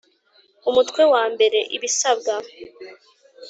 Umutwe wa mbere i ibisabwa